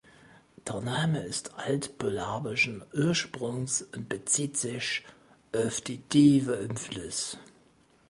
Der Name ist altpolabischen Ursprungs und bezieht sich auf die „Tiefe im Fluss“.